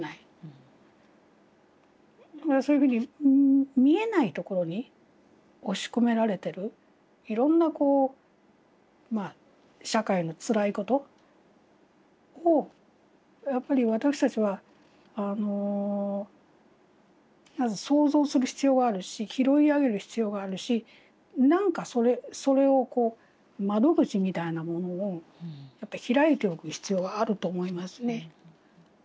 そういうふうに見えないところに押し込められてるいろんなこう社会のつらいことをやっぱり私たちは想像する必要があるし拾い上げる必要があるしなんかそれをこう窓口みたいなものを開いておく必要があると思いますね。